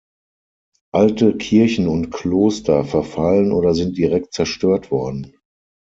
Alte Kirchen und Kloster verfallen oder sind direkt zerstört worden.